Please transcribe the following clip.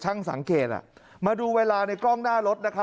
สังเกตมาดูเวลาในกล้องหน้ารถนะครับ